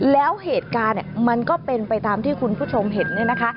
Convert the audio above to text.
แล้วเหตุการณ์มันก็เป็นไปตามที่คุณผู้ชมเห็นเนี่ยนะคะ